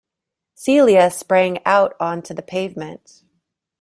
Celia sprang out on to the pavement.